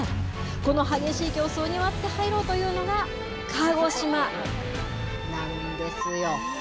この激しい競争に割って入ろうというのが鹿児島なんですよ。